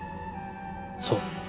そう。